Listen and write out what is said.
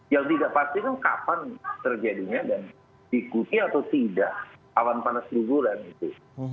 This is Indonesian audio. yang tidak pasti kan kapan terjadinya dan diikuti atau tidak awan panas guguran itu